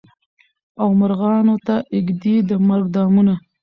او مرغانو ته ایږدي د مرګ دامونه